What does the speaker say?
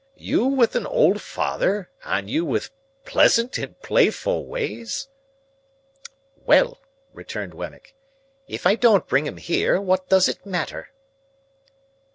"You with an old father, and you with pleasant and playful ways?" "Well!" returned Wemmick. "If I don't bring 'em here, what does it matter?"